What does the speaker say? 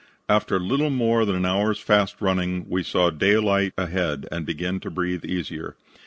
"After a little more than an hour's fast running we saw daylight ahead and began to breathe easier.